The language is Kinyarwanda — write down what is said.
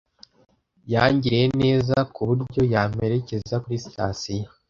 Yangiriye neza ku buryo yamperekeza kuri sitasiyo.